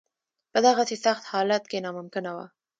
په دغسې سخت حالت کې ناممکنه وه.